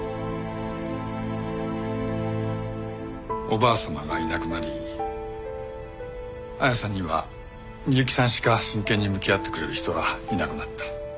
おばあさまがいなくなり亜矢さんには美雪さんしか真剣に向き合ってくれる人がいなくなった。